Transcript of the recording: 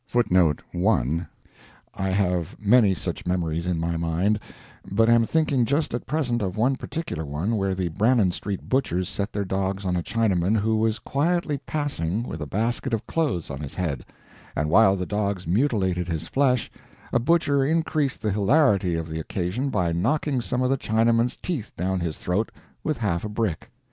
[I have many such memories in my mind, but am thinking just at present of one particular one, where the Brannan Street butchers set their dogs on a Chinaman who was quietly passing with a basket of clothes on his head; and while the dogs mutilated his flesh, a butcher increased the hilarity of the occasion by knocking some of the Chinaman's teeth down his throat with half a brick.